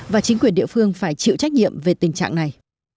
và chính quyền địa phương phải chịu trách nhiệm về tình trạng này